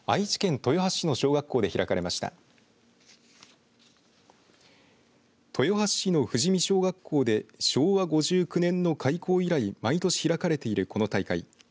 豊橋市の富士見小学校で昭和５９年の開校以来毎年開かれているこの大会。